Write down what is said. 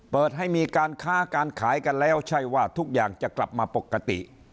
เปิดให้มีการค้าการขายกันแล้วใช่ว่าทุกอย่างจะกลับมาปกติ